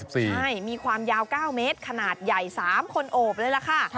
ใช่มีความยาว๙เมตรขนาดใหญ่๓คนโอบเลยล่ะค่ะ